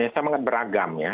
sangat beragam ya